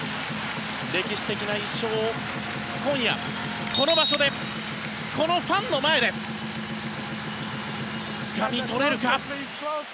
歴史的な１勝を今夜この場所でこのファンの前でつかみ取れるか？